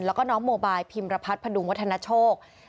แล้วก็น้องโมบายพิมรพัฒน์พดุงวัฒนโชค